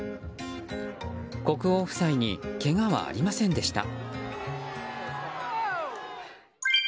国王夫妻にけがはありませんでした。